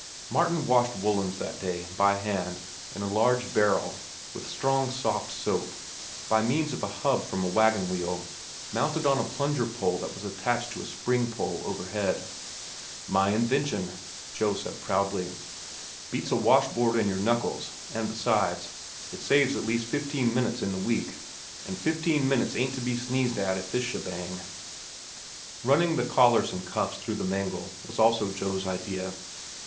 Martin washed woollens that day, by hand, in a large barrel, with strong soft soap, by means of a hub from a wagon wheel, mounted on a plunger pole that was attached to a spring pole overhead. "My invention," Joe said proudly. "Beats a washboard an' your knuckles, and, besides, it saves at least fifteen minutes in the week, an' fifteen minutes ain't to be sneezed at in this shebang." Running the collars and cuffs through the mangle was also Joe's idea.